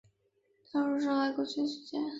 此级船舰的前身是美国海军的巡防舰。